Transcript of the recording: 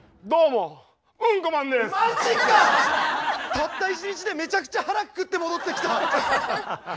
たった一日でめちゃくちゃ腹くくって戻ってきた！